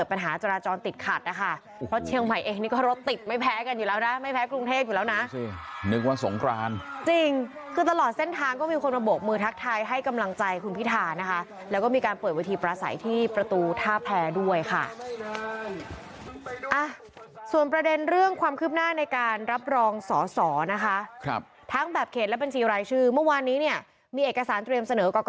นะคะเพราะเชียงใหม่เองนี่ก็รถติดไม่แพ้กันอยู่แล้วนะไม่แพ้กรุงเทพฯอยู่แล้วนะนึกว่าสงครานจริงคือตลอดเส้นทางก็มีคนมาบกมือทักทายให้กำลังใจคุณพิธานะคะแล้วก็มีการเปิดวิธีประสัยที่ประตูท่าแพงด้วยค่ะส่วนประเด็นเรื่องความคืบหน้าในการรับรองสอสอนะคะครับทั้งแบบเขตและบัญชีรายชื่อเมื่อ